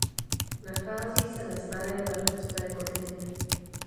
Nachází se ve staré ledovcové kotlině.